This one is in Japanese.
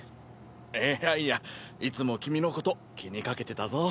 いやいやいつも君のこと気にかけてたぞ。